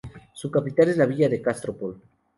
Su capital es la villa de Castropol.